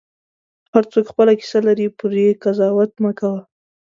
هر څوک خپله کیسه لري، پرې قضاوت مه کوه.